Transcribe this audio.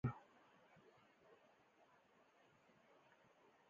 She was oft dangerously sick that physic was chargeable.